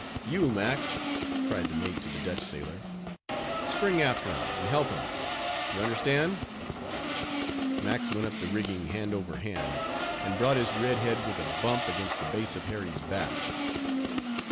"You Max," cried the mate to the Dutch sailor, "spring after him, and help him; you understand?" Max went up the rigging hand over hand, and brought his red head with a bump against the base of Harry's back.